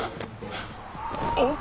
あっ！